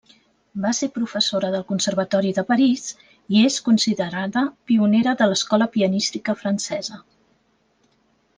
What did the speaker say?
Va ser professora del Conservatori de París i és considerada pionera de l’escola pianística francesa.